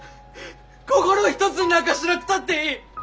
心を一つになんかしなくたっていい。